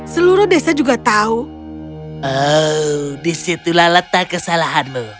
tapi dia juga membantu kami menemukan harta karun itu tetapi itu hanya keberuntungan belaka dia tidak pernah melakukannya lagi